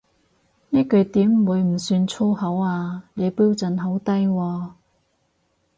呢句點會唔算粗口啊，你標準好低喎